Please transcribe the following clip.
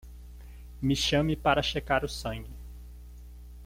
Me chame para checar o sangue